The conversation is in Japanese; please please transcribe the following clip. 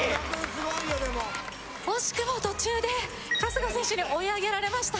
すごいよでも惜しくも途中で春日選手に追い上げられました